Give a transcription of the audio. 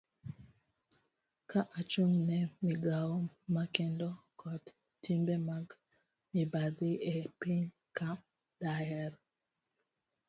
ka achung' ne migawo makedo kod timbe mag mibadhi e piny ka, daher